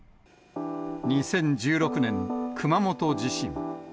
２０１６年、熊本地震。